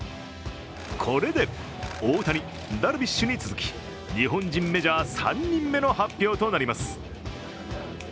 これで大谷、ダルビッシュに続き日本人メジャー３人目の発表となります。